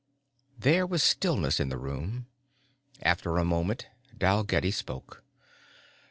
There was stillness in the room. After a moment Dalgetty spoke.